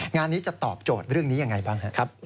งานนี้จะตอบโจทย์เรื่องนี้ยังไงบ้างครับ